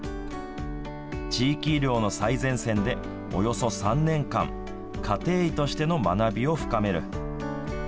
地域医療の最前線でおよそ３年間家庭医としての学びを深める。